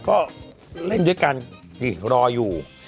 ก็เล่นด้วยกันนี่รออยู่